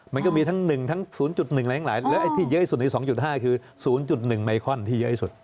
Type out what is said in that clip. มันก็มีทั้ง๐๑และที่เยอะที่สุดใน๒๕คือ๐๑ไมคัลที่เยอะที่สุด